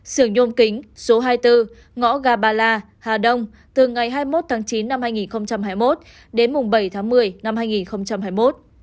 sưởng nhôm kính số hai mươi bốn ngõ ga ba la hà đông từ ngày hai mươi một tháng chín năm hai nghìn hai mươi một đến bảy tháng một mươi năm hai nghìn hai mươi một